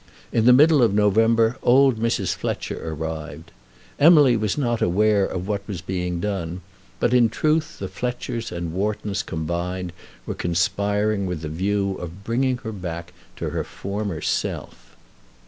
In the middle of November old Mrs. Fletcher arrived. Emily was not aware of what was being done; but, in truth, the Fletchers and Whartons combined were conspiring with the view of bringing her back to her former self.